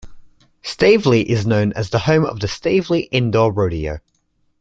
Stavely is known as the home of the "Stavely Indoor Rodeo".